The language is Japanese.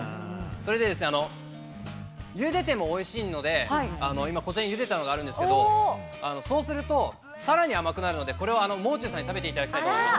それで、ゆでてもおいしいので、今、こちらのゆでたのがあるんですけど、そうすると、さらに甘くなるので、これはもう中さんに食べていただきたいと思います。